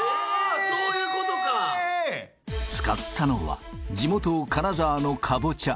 そういうことか使ったのは地元金沢のかぼちゃ